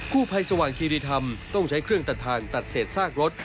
ผู้ภัยสว่างคีรีธรรมต้องใช้เครื่องตัดทางตัดเศษซากรถ